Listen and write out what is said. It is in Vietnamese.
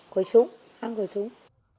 khuẩy súng ăn khuẩy súng